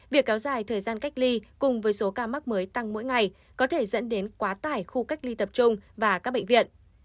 việc kéo dài thời gian cách ly cùng với số ca mắc mới tăng mỗi ngày có thể dẫn đến quá tải khu cách ly tập trung và các bệnh viện